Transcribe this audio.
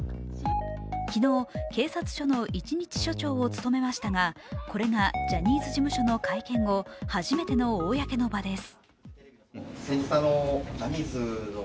昨日、警察署の一日署長を務めましたがこれがジャニーズ事務所の会見後初めての公の場です。